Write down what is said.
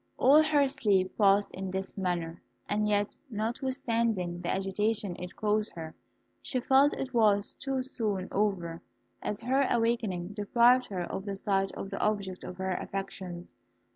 All her sleep passed in this manner, and yet, notwithstanding the agitation it caused her, she felt it was too soon over, as her awakening deprived her of the sight of the object of her affections.